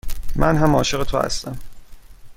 من هم عاشق تو هستم.